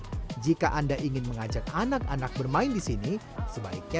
tragek tebing dengan kemiringan sekitar empat puluh lima derajat ini salah satunya